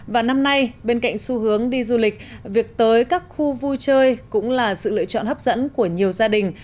và năm nay bên cạnh xu hướng đi du lịch việc tới các khu vui chơi cũng là sự lựa chọn hấp dẫn của nhiều gia đình